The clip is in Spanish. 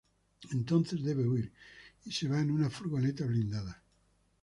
Entonces debe huir, y se va en una furgoneta blindada.